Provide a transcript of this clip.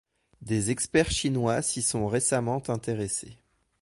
Des experts chinois s'y sont récemment intéressé.